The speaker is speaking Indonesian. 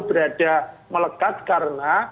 berada melekat karena